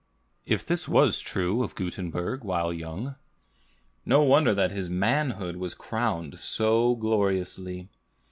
If this was true of Gutenberg while young, no wonder that his manhood was crowned so gloriously.